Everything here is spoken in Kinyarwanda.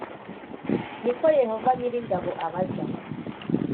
ni ko Yehova nyir ingabo abaza